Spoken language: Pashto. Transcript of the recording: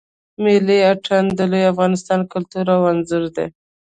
ملی آتڼ د لوی افغانستان کلتور او آنځور دی.